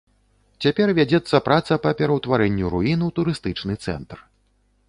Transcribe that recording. Цяпер вядзецца праца па пераўтварэнню руін у турыстычны цэнтр.